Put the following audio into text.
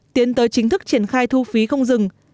tiến tới chính thức triển khai thu phí không dừng